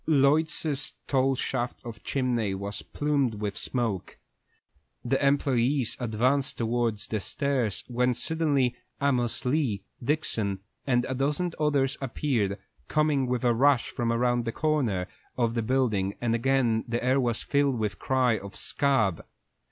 Lloyd's tall shaft of chimney was plumed with smoke. The employés advanced towards the stairs, when suddenly Amos Lee, Dixon, and a dozen others appeared, coming with a rush from around a corner of the building, and again the air was filled with the cry of "Scab!"